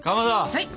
はい！